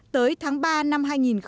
tới tháng ba năm hai nghìn hai mươi